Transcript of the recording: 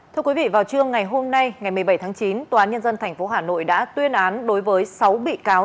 thưa quý vị vào trưa ngày hôm nay ngày một mươi bảy tháng chín tòa án nhân dân tp hà nội đã tuyên án đối với sáu bị cáo